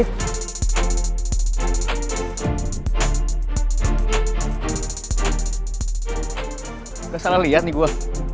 gue gak salah liat nih gue